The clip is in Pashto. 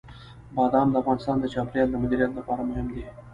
بادام د افغانستان د چاپیریال د مدیریت لپاره مهم دي.